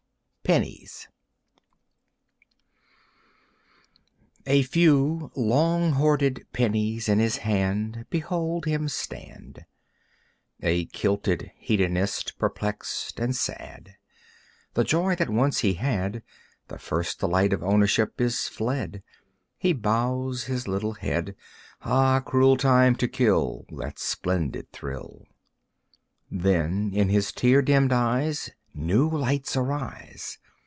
Pennies A few long hoarded pennies in his hand Behold him stand; A kilted Hedonist, perplexed and sad. The joy that once he had, The first delight of ownership is fled. He bows his little head. Ah, cruel Time, to kill That splendid thrill! Then in his tear dimmed eyes New lights arise.